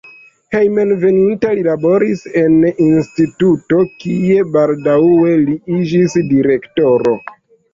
Hejmenveninta li laboris en instituto, kie baldaŭe li iĝis direktoro.